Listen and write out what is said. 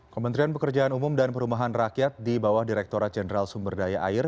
kementerian pekerjaan umum dan perumahan rakyat di bawah direkturat jenderal sumber daya air